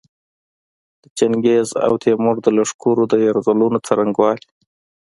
د چنګیز او تیمور د لښکرو د یرغلونو څرنګوالي.